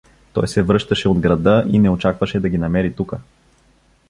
Той се връщаше от града и не очакваше да ги намери тука.